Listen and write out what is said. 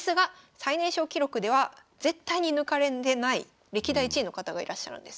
最年少記録では絶対に抜かれない歴代１位の方がいらっしゃるんです。